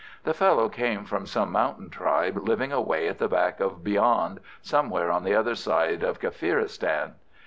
The fellow came from some mountain tribe living away at the back of beyond somewhere on the other side of Kaffiristan.